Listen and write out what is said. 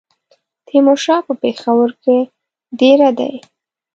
تیمورشاه په پېښور کې دېره دی.